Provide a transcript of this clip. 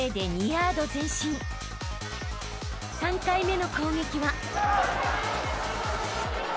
［３回目の攻撃は］